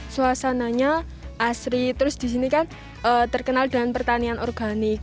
suasananya asri terus disini kan terkenal dengan pertanian organik